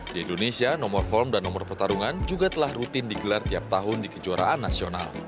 di indonesia nomor form dan nomor pertarungan juga telah rutin digelar tiap tahun di kejuaraan nasional